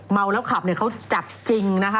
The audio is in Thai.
เมาแล้วขับเขาจัดจริงนะคะ